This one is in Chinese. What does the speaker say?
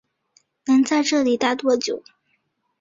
能在这里待多久